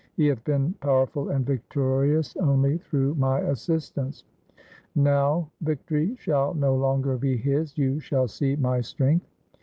He hath been power ful and victorious only through my assistance. Now victory shall no longer be his. You shall sec my strength.